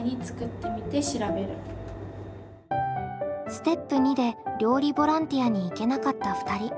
ステップ２で料理ボランティアに行けなかった２人。